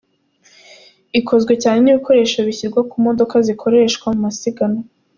Ikozwe cyane n’ibikoresho bishyirwa ku modoka zikoreshwa mu masiganwa.